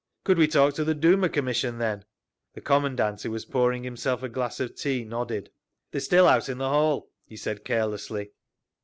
"Could we talk to the Duma commission, then?" The Commandant, who was pouring himself a glass of tea, nodded. "They are still out in the hall," he said carelessly.